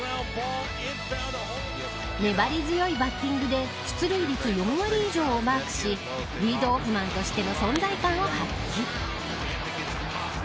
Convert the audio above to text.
粘り強いバッティングで出塁率４割以上をマークしリードオフマンとしての存在感を発揮。